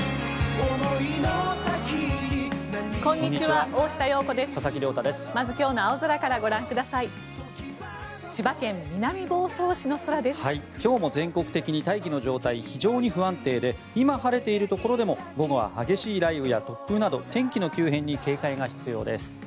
今日も全国的に大気の状態非常に不安定で今晴れているところでも午後は激しい雷雨や突風など天気の急変に警戒が必要です。